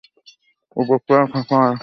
উপরতলায় থাকা তার ভাই।